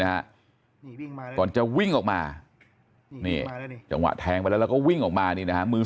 ฮะก่อนจะวิ่งออกมานี่จังหวะแทงไปแล้วแล้วก็วิ่งออกมานี่นะฮะมือ